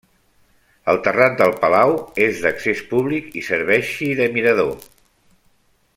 El terrat del palau és d'accés públic i serveixi de mirador.